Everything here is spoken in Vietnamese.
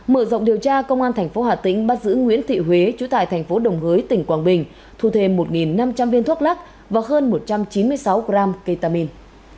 mở rộng điều tra công an thành phố hà tĩnh bắt giữ nguyễn thị huế chú tại thành phố đồng hới tỉnh quảng bình thu thêm một năm trăm linh viên thuốc lắc và hơn một trăm chín mươi sáu gram ketamine